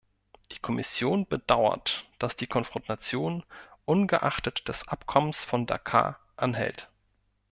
Die Kommission bedauert, dass die Konfrontation ungeachtet des Abkommens von Dakar anhält.